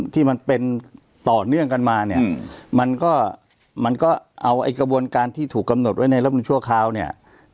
ที่มันเป็นต่อเนื่องกันมาเนี่ยมันก็มันก็เอาไอ้กระบวนการที่ถูกกำหนดไว้ในรัฐมนุนชั่วคราวเนี่ย